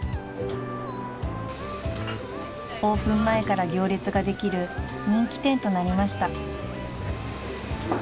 ［オープン前から行列ができる人気店となりました］